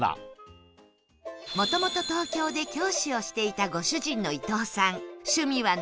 もともと東京で教師をしていたご主人の